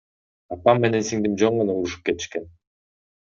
Апам менен сиңдим жөн гана урушуп кетишкен.